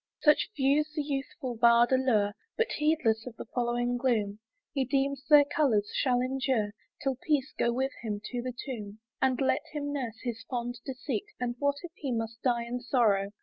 Such views the youthful bard allure, But, heedless of the following gloom, He deems their colours shall endure 'Till peace go with him to the tomb. And let him nurse his fond deceit, And what if he must die in sorrow!